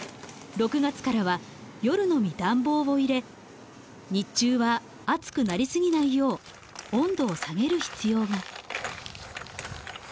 ６月からは夜のみ暖房を入れ日中は暑くなりすぎないよう温度を下げる必要が。